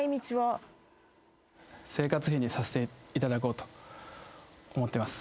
させていただこうと思ってます。